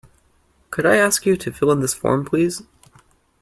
Could I ask you to fill in this form, please?